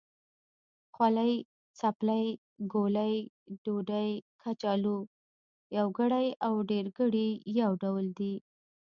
خولۍ، څپلۍ، ګولۍ، ډوډۍ، کچالو... يوګړی او ډېرګړي يو ډول دی.